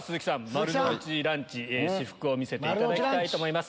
丸の内ランチ私服を見せていただきたいと思います。